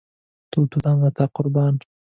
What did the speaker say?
تور توتان له تا قربان